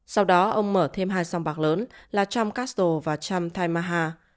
sau đó ông mở thêm hai sòng bạc lớn là trump castle và trump timeaha